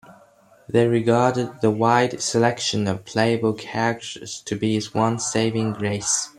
They regarded the wide selection of playable characters to be its one saving grace.